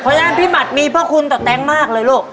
เพราะฉะนั้นพี่หมัดมีพระคุณต่อแต๊งมากเลยลูก